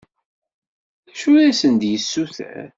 D acu i asent-d-yessuter?